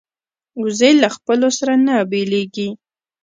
وزې له خپلو سره نه بیلېږي